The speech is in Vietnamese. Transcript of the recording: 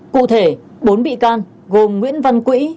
cụ thể bốn bị can gồm nguyễn văn quỹ